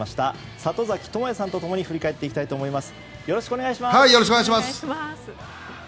里崎智也さんと共に振り返っていきたいと思います。